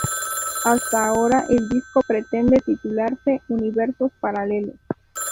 Hasta ahora el disco pretende titularse "Universos Paralelos".